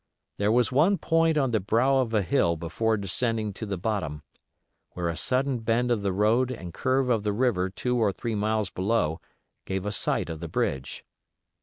There was one point on the brow of a hill before descending to the bottom, where a sudden bend of the road and curve of the river two or three miles below gave a sight of the bridge.